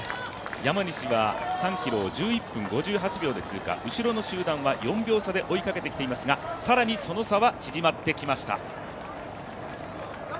山西は３ｋｍを１１分５８秒で通過後ろの集団は４秒差で追いかけてきていますが更にその差は縮まってきました。